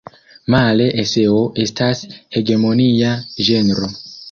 Male eseo estas hegemonia ĝenro.